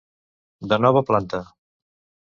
De nova planta.